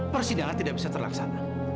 persidangan tidak bisa terlaksana